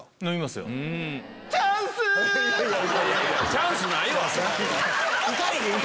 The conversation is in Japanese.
チャンスないわ。